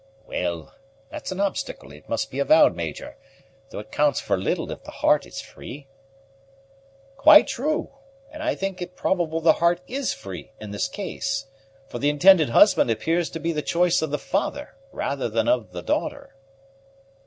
"Well, that's an obstacle, it must be avowed, Major, though it counts for little if the heart is free." "Quite true; and I think it probable the heart is free in this case; for the intended husband appears to be the choice of the father rather than of the daughter."